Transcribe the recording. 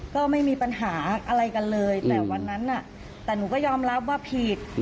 ก็ไม่มีปัญหาอะไรกันเลยแต่วันนั้นน่ะแต่หนูก็ยอมรับว่าผิด